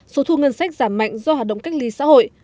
số thu ngân sách giảm mạnh do hoạt động cách ly xã hội